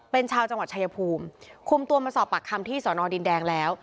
เป็นชาวจังหวัดชายภูมิคุมตัวมาสอบปากคำที่สอนอดินแดงแล้ว